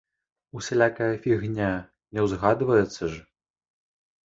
Усялякая фігня не ўзгадваецца ж!